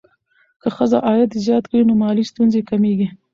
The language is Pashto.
که ښځه عاید زیات کړي، نو مالي ستونزې کمېږي.